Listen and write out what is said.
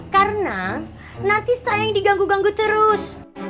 karena nanti saya yang diganggu ganggu terus